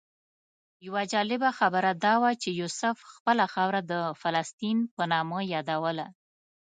یوه جالبه خبره دا وه چې یوسف خپله خاوره د فلسطین په نامه یادوله.